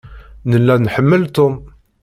Nella nḥemmel Tom.